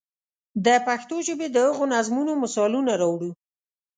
د پښتو ژبې د هغو نظمونو مثالونه راوړو.